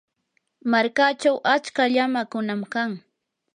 markachaw achka llamakunam kan.